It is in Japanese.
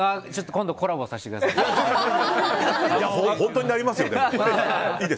今度コラボさせてください。